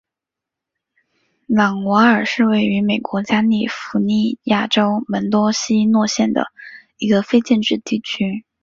朗瓦尔是位于美国加利福尼亚州门多西诺县的一个非建制地区。